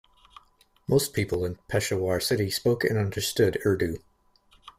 Most people in Peshawar city spoke and understood Urdu.